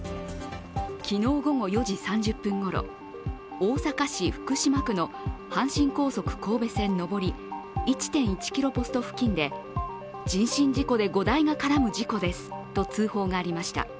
昨日午後４時３０分ごろ大阪市福島区の阪神高速神戸線上り１．１ｋｍポスト付近で人身事故で５台が絡む事故ですと通報がありました。